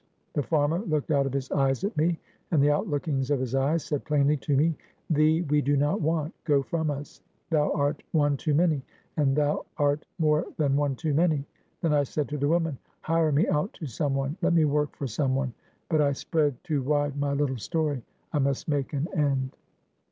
The farmer looked out of his eyes at me, and the out lookings of his eyes said plainly to me Thee we do not want; go from us; thou art one too many; and thou art more than one too many. Then I said to the woman Hire me out to some one; let me work for some one. But I spread too wide my little story. I must make an end.